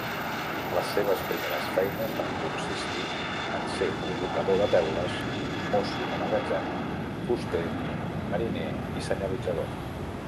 Les seves primers feines van consistir en ser col·locador de teules, mosso de magatzem, fuster, mariner i senyalitzador.